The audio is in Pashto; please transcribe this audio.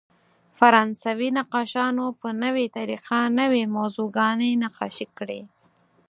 فرانسوي نقاشانو په نوې طریقه نوې موضوعګانې نقاشي کړې.